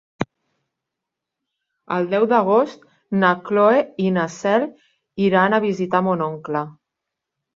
El deu d'agost na Cloè i na Cel iran a visitar mon oncle.